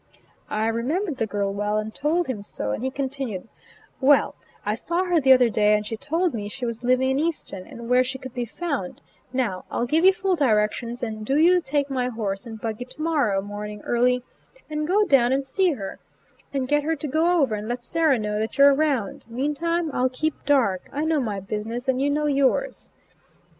I remembered the girl well and told him so, and he continued: "Well, I saw her the other day, and she told me she was living in Easton, and where she could be found; now, I'll give you full directions and do you take my horse and buggy to morrow morning early and go down and see her, and get her to go over and let Sarah know that you're round; meantime I'll keep dark; I know my business and you know yours."